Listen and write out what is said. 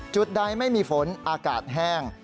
จุดใดไม่มีฝนอากาศแห้ง